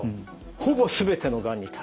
「ほぼすべてのがんに対応」。